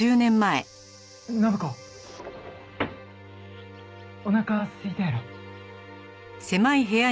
展子おなかすいたやろ。